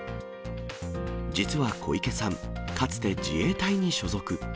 実は小池さん、かつて自衛隊に所属。